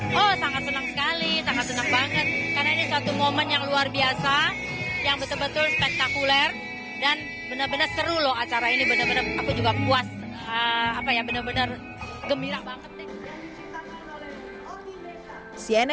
penampilan yang spektakuler dan benar benar seru loh acara ini benar benar aku juga puas benar benar gembira banget